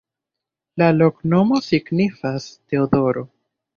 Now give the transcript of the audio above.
La loknomo signifas: Teodoro.